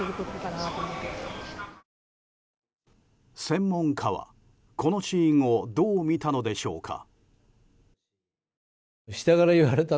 専門家は、このシーンをどう見たのでしょうか。